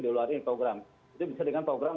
diluarkan program itu bisa dengan program